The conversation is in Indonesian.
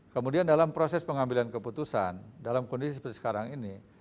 kemudian dalam proses pengambilan keputusan dalam kondisi seperti sekarang ini